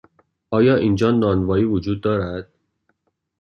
آیا اینجا نانوایی وجود دارد؟